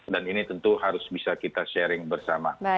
dan ini tentu harus bisa kita sharing bersama